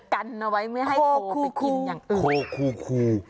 กันเอาไว้ไม่ให้คนเอาไปกินอย่างอื่นโค